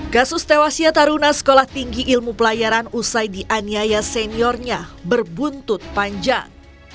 kasus tewasnya taruna sekolah tinggi ilmu pelayaran usai dianiaya seniornya berbuntut panjang